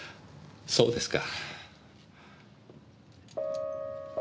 そうですか。